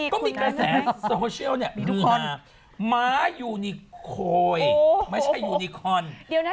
ก็มีกระแสโซเชียลม้ายูนิโคยไม่ใช่ยูนิคอน